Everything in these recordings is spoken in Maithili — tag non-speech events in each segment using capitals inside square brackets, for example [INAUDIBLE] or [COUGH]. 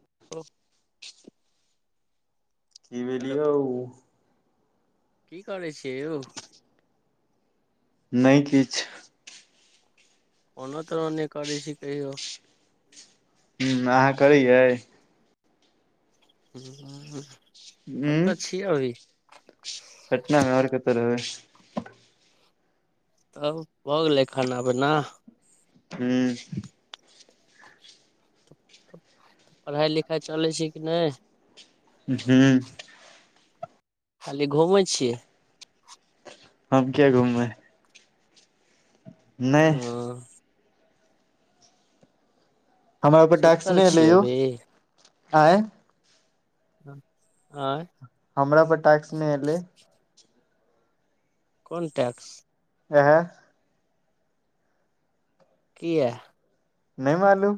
[UNINTELLIGIBLE] कि हेलो भेलिय यउ की करै छी कि यौ नहि किछ फोनो तोनो नहि करै छी कहियौ हू अहाँ करैै उ कतऽ छियै पटनामे आउर कत रहबै तब भऽ गेलै खाना पीना हू पढ़ाइ लिखाइ चलै छै कि नहि हू खाली घूमै छियै हम किया घूममेै ओ नहि हमरा पर टास्क सुतल नहि एले छियै यौ अभी आयं आँय हमरा पर टाक्स नहि एलै कोन टाक्स एहा किया नहि मालूम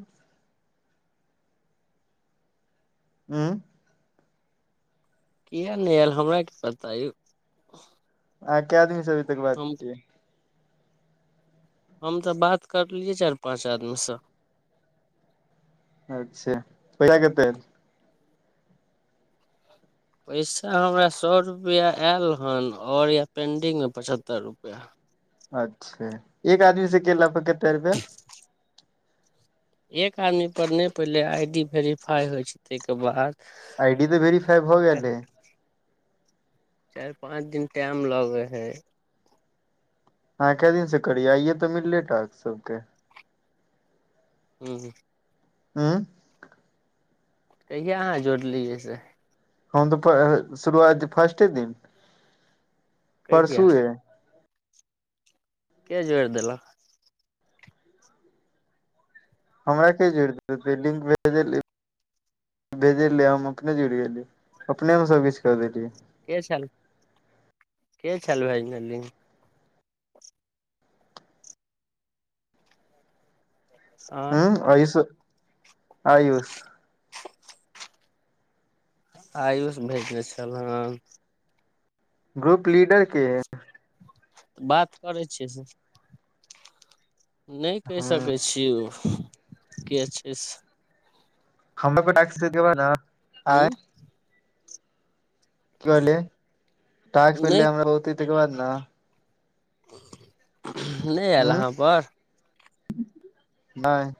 हँ किया नहि आयल हमरा कि पता अहाँ क्या आदमी से अभी तक बात हम केलियै हम तऽ बात करलियै चारि पाँच आदमीसँ अच्छा पैसा कतेक पैसा हमरा सौ रुपया आयल हन आओर य पेंडिंग मे पचहत्तर रुपैया अच्छा एक आदमी से केेला पे केते रुपया एक आदमी पर नहि पहिले आई डी वेरिफाइ होइ छै ताहिके बाद आइडी तऽ भेरिफाइ भऽ गेल हय चारि पाँच दिन टाइम लगै हय अहां क्या दिन से करिय आइये तऽ मिललै यै सबके हू हँ कहिया अहाँ जोड़लियै से हम तऽ शुरुआत फर्स्टे दिन कहिया परसू ए के जोरि देलक हमरा के जोड़ देतय लिंक भेज भेजले हम अपने जुटि गेली अपने मे सबकिछु क देलियै के छल के छल भैजने लिंक आ ह आयुस आयुस आयुष भेजने छल हँ ग्रुप लीडर के बात करै छियै से नहि कहि हूँ सकै छिय ओ के छै से हमरा प डाक देब ने ह आय [UNINTELLIGIBLE] की कहली टास्क हमरा भेले नहि हमरा बहुते तकर बाद ने नहि आयल हूँ यहाँ पर नहि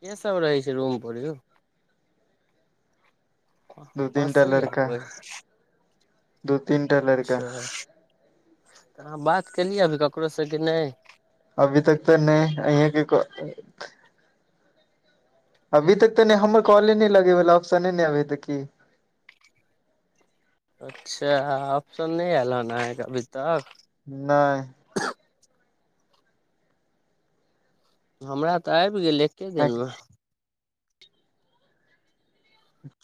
के सब रहै छै रूम पर यो दू तीनटा हँसैया लड़का कोइ दू तीनटा अच्छा लड़का तऽ अहाँ बात केलियै अभी ककरो सँ कि नहि अभी तक तऽ नहि अहा के अभी तक तऽ नहि हमर कॉले नहि लगे ऑप्शने ने अभी त की अच्छा ऑप्शन नहि आयल है अभी तक नहि हमरा तऽ आबि गेल एक‌ के दिनमे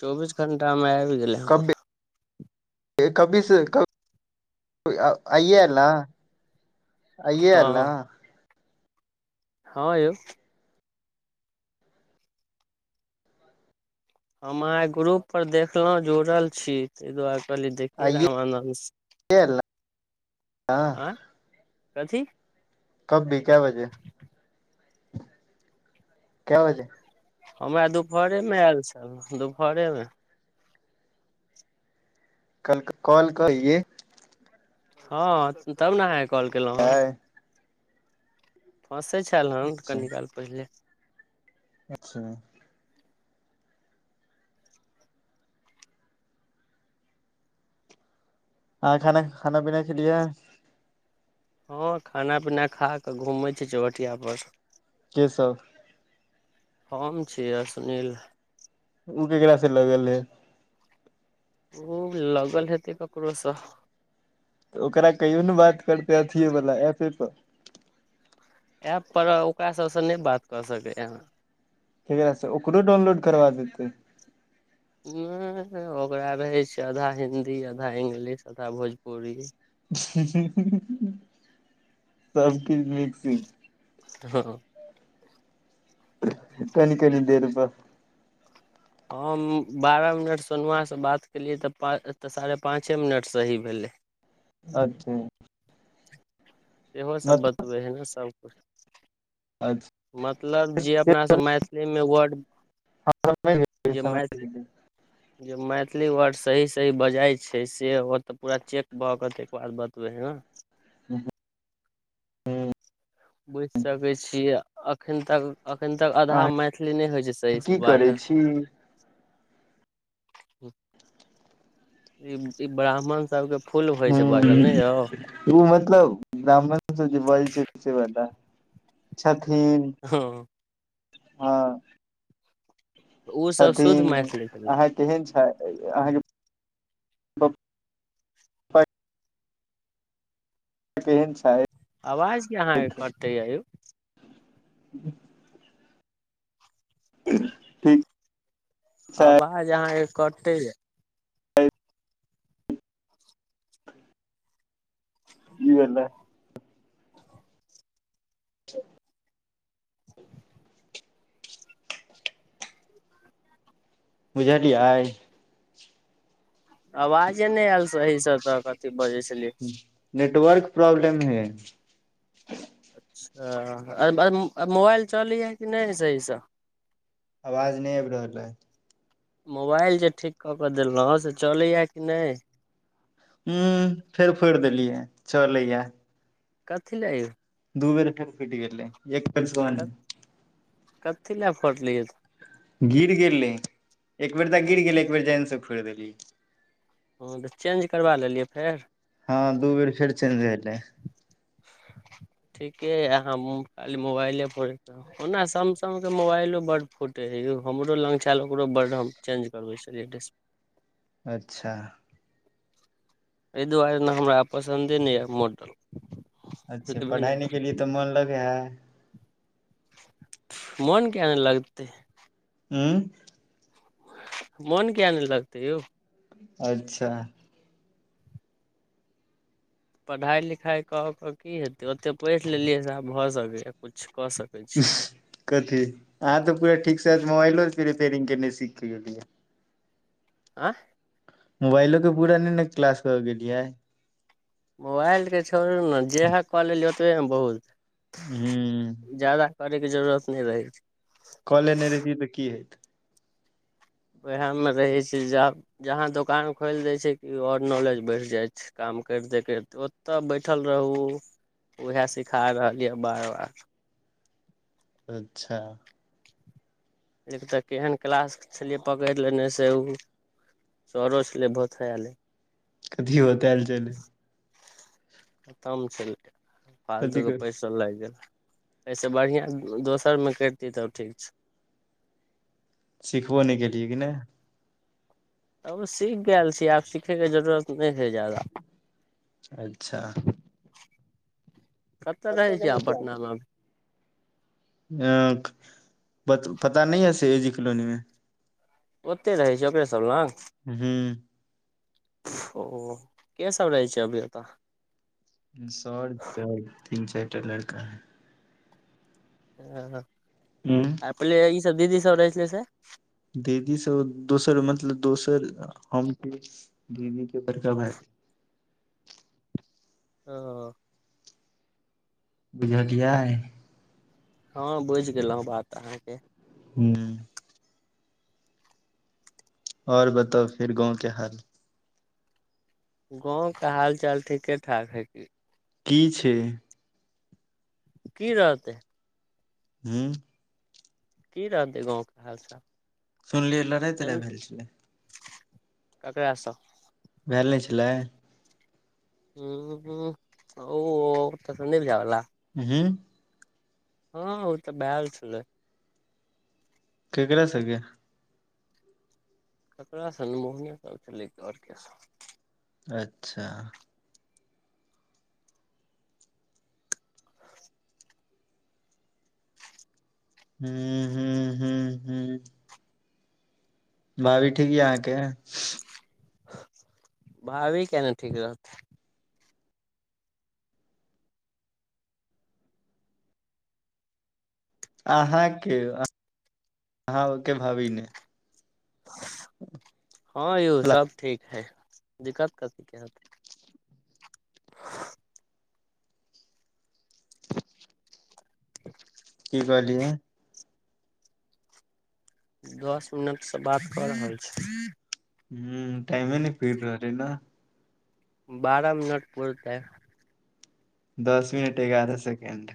चौबीस घंटा मे आबि गेलै हमर कब्बे कबीस कब अइए एल ना अइ्ये एल न हँ हँ यौ हम अहाँके ग्रुप पर देखलहुँ जुड़ल छी ताहि दुआरे देखिये आइए रामनन्द अल्ला आँ कथी कब भी क्या बजे क्या बजे हमरा दुपहर मे आयल छलहु दुपहर मे कल कल कहियए हँ तब ने अहाँके कॉल केलहुँ हेँ अच्छा हसय छल हँ कनि काल पहिले अच्छा आहा खाना पीना खेलिए हँ खाना पीना खा कऽ घूमै छियै चौबठिया पर के सब हम छीयै आ सुनील ओ केकरा से लगल है ऊ लगल हेतै ककरो से ओकरा कहियो ने बात करते अथिए वाला एपे पर ऐप पर ओकरा सब से नहि बात क सकै यै केकरा से ओकरो डाउनलोड करबा दो नहि ओकरा रहै छै आधा हिन्दी आधा इंग्लिश आधा भोजपुरी सबकीछ मिक्ससिंग हँ कनी कनी देर पर हम बारह मिनट सोनउआ से बात केलियै तऽ पा तऽ साढ़े पाँचे मिनट सही भेलै अच्छा इहो सब बतबै हइ ने सब कुछ अच्छा मतलब जे अपना सभ मैथिली मे वर्ड गेलियै जे समझ मैथिल गेलियै [INAUDIBLE] जे मैथिली वर्ड सही सही बजइ छैय से ओ तऽ पूरा चेक भऽ कऽ तके बाद बतबै हँ न। हूँ बुझि सकैत छियै एखन तक एखन तक आधा मैथिली नहि होइत छैय सही से बाजल। हूँ [UNINTELLIGIBLE] ई ई ब्राह्मण सब के हँ ओ मतलब ब्राह्मण से जे बजई छैय से बला छथिन हँ हँ ओ सब शुद्ध छथिन मैथिली भेलै अहाँ केहन छ अहाँ के पप्पा केहन छाय? आवाज किया अहाँ कटैया यौ? [INAUDIBLE] ठीक छै आवाज आहााँ के कटैया। ईएला [INAUDIBLE] बुझालियै? आवाजे नहि आयल सही से तऽ कथी बजै छलियै। नेटवर्क प्रॉब्लम हय। [UNINTELLIGIBLE] मोबाइल चलय है कि नहि सही स? आवाज नहि आबि रहल अय। मोबाइल जे ठीक कऽ कऽ देलहुँ से चलैए कि नहि? उ फेर फोड़ि देलियै चलैया। काथीला यौ? दू बेर फेर फुट गेलै एक कथी ला फोरड़ि गिर गेलय एक बेर तऽ गिर गेलै एक बेर जायन से फोड़ देलीयै। ओ तऽ चेंज करबा लेलियै फेर? हँ दू बेर फेर चेन्ज भेलै। ठीके या हम खाली मोबाइल फेर ओना स अहुँ के मोबाइलो बड फोटे हय हमर लग छल ओकर बड हम चेज करबै छलिये दिशप्लय अच्छा एहि दुआरे ने हमरा पसन्दे नहि यऽ मोडल। अच्छा पढ़ाइ नहि केलियै तऽ मोन लगै है? मोन किया नहि लगतै। हँ मोन किया नहि लगतै यौ। अच्छा पढ़ाई लिखाई क के की हेतै ओते पोढ़ि लेलियै से आब भऽ सकैए कुछ कऽ सकै कथी अहाँ तऽ पूरा ठीकसँ मोबाइलो रिपेयरिंग के नहि सीख के गेलियै। आँ मोबाइलो के पूरा न ने क्लास क गेलियय। मोबाइलके छोड़ू ने जेहै कैलेलिया ओतबहि ने बहुत ह ज्यादा करैके जरूरत नहि रहै छैय। कलेने रहितियै तऽ की हेतै। वहै में रहे छैय ज जहां दुकान खोल देय छैय कि और नॉलेज बढ़ जाय छैय। काम करिते करिते ओतऽ बैठल रहू ओहै सिखा रहल यऽ बार बार अच्छा एतऽ केहन क्लास छलियै पकड़ि लेने से ओ सरस ले भथयले [INAUDIBLE] कथो बतायल चलै खतम छै कथी फालतूके क पैसा त लागि गेल एहिसे बढ़िआँ दोसरमे करितियै तब ठीक छै सिखबोने के लिए कि नहि अब सीख गेल छी आब सीखयके जरूरत नहि है ज्यादा अच्छा कतऽ रहै छीय आहाँ पटना मे अभी ह पता न है से एजी कॉलोनी मे ओते रहै छै ओकरे सब लंग हू ओ के सब रहै छै अभी ओतऽ सर छै तीन चारि टा लड़का है हँ हँ आ पहिले ई सब दीदी सब रहै छलै से दीदी सब दोसर मतलब दोसर हमके दीदी के बड़का भाय ह बुझलियय हँ बुझि गेलहु बात अहाँके हू आऔर बताउ फेर गाँव के हाल गाँव के हाल चाल ठीके ठाक हइ की की छै की रहतै हूँ की रहतै गाँव के हालचाल सुनलियै लड़ाई तराई भेल छलै केकरा सँ भेलए नहि छलै हू ह ओ ओ तऽ सन्दीप वाला हू हँ ओ तऽ भेल छलै केकरा संगे ककड़ा सन छल आओर क अच्छा [INAUDIBLE] हू ह हू हू हू भाभी ठीक य अहाँ के भाभी केना ठीक रहतै अहाँ के अहाँ के भभी ने हँ यौ सब ठीक है दिक्कत कथीे हत की कहलियए दस मिनट से बात कऽ रहल छी ह टाइमे नहि पुर रहलै बारह मिनट पूरतै दस मिनट एगारह सेकेंड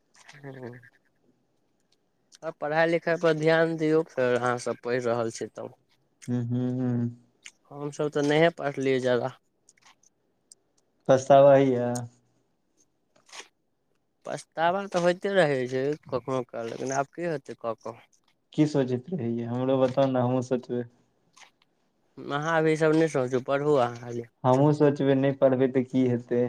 [INAUDIBLE] आ पढ़ाइ लिखाइ पर ध्यान दियौ फेर अहाँ सभ पढ़ि रहल छी तब ह हू हू हमसभ तऽ नहि पढ़लियै ज्यादा पछ्तावा होए या पछतावा तऽ होइते रहै छै कखनो काल कऽ लेकिन आब की होेतै कऽ कऽ की सोचैत रहहिय हमरो बताउ ने हमहूँ सोचबै अहाँ अभी ई सब नहि सोचू पढ़ अहाँ खाली हमहुँ सोचबै नहि पढ़बै तऽ की हेतै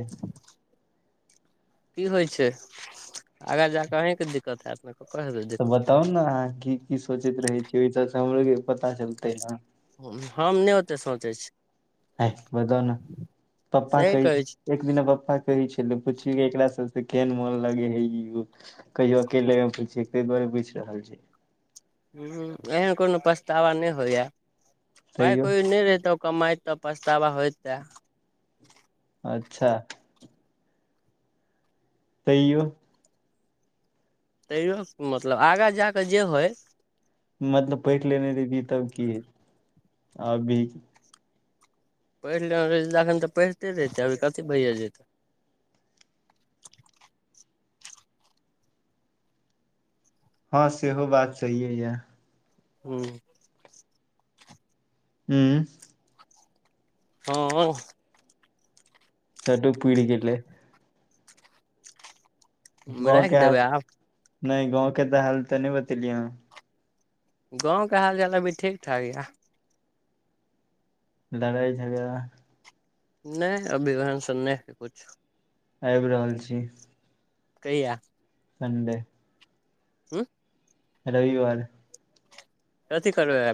की होइ छै आगाँ जा कऽ अहीँ के दिक्कत हैत [UNINTELLIGIBLE] तऽ बताउ ने अहाँ की की सोचैत रहे छै ओहि हमरो के पता चलते ने हम नहि ओते सोचै छी हे बताउ ने पप्पा सही कै कहै छी एक दिना पप्पा कहै छल पुछि एकरा सब केहन मोन लगे हे ई उ कहिय अकेले मे पुछैै ताहि दुआरे पुईछ रहल छै ह एहन कोनो पछतावा नहि होइया पाइ तैयो कौरि नहि रहै तऽ कमइ तऽ पछतावा होई तऽ अच्छा तयो तैयओ मतलब आगाँ जा कऽ जे होइ मतलब पढ़ि लेने रहि तब की है अभी पढ़ि लेने रहै तखन तऽ पढ़िते रहितै अभी कथी भैया जेतै हँ सेहो बात सही ये यऽ हू हू हँ चलु पुइर गेलै गाँंव राखि के हाल देबै आब नहि गाँंव के तऽ हाल तऽ नहि बतेलियै अहा गाँव के हालचाल अभी ठीक ठाक यऽ लड़ाइ झगड़ा नहि अभी ओहनस नहि कुछु आबि रहल छी कहिया संडे हँ रविवार कथि कर लै आब